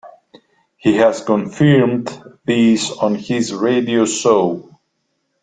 He has confirmed this on his radio show.